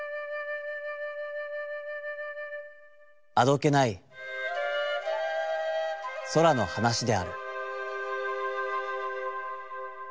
あどけない空の話である」。